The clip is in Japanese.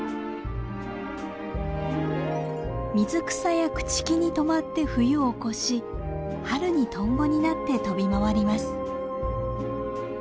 水草や朽ち木に止まって冬を越し春にトンボになって飛び回ります。